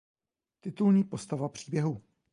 Titulní postava příběhu.